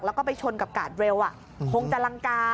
แล้วก็ไปชนกับกาดเร็วคงจะลังกา